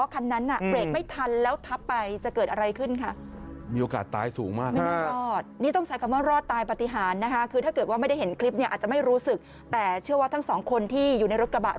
คันนั้นเบรกไม่ทันแล้วทับไปจะเกิดอะไรขึ้นค่ะ